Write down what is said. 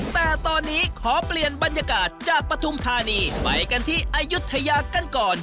แต่ตอนนี้ขอเปลี่ยนบรรยากาศจากปฐุมธานีไปกันที่อายุทยากันก่อน